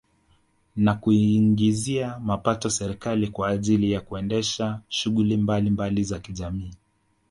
Na kuiingizia mapato serikali kwa ajili ya kuendesha shughuli mbalimbali za kijamiii